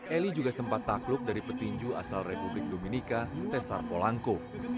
eli juga sempat takluk dari petinju asal republik dominika cesar polanco